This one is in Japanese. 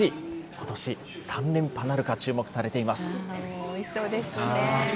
ことし、３連覇なるか注目されておいしそうですね。